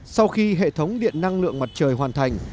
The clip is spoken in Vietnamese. sau khi hệ thống điện năng lượng mặt trời hoàn thành